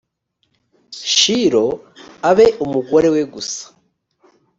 shilo abe umugore we gusa